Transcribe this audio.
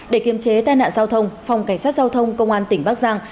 để kiềm chế tai nạn giao thông phòng cảnh sát giao thông công an tỉnh bắc giang